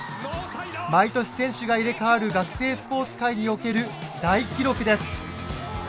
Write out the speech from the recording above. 毎年選手が入れ代わる学生スポーツ界における大記録です。